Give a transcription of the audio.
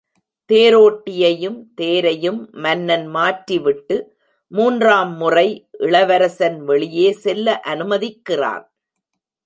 தேரோட்டியையும் தேரையும் மன்னன் மாற்றிவிட்டு மூன்றாம் முறை இளவரசன் வெளியே செல்ல அனுமதிக்கிறான்.